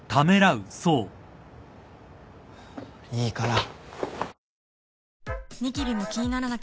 いいから。